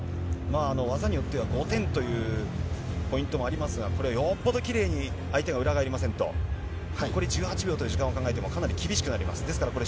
技によっては５点というポイントもありますが、これよっぽど相手が裏返りませんと、残り１８秒という時間を考えても、かなり厳しくなります。